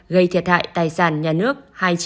gây thiệt hại tài sản nhà nước